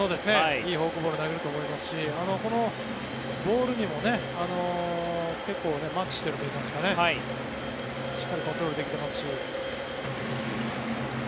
いいフォークボールを投げると思いますしこのボールにも結構マッチしているといいますかしっかりコントロールできてますし。